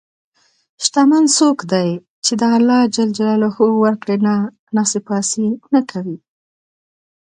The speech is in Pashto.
شتمن څوک دی چې د الله ورکړه نه ناسپاسي نه کوي.